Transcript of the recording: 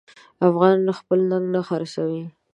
افغان خپل ننګ نه خرڅوي.